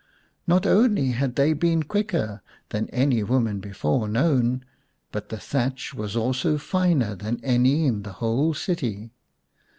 Not only had they been quicker than any women before known, but the thatch was also finer than any in the whole city.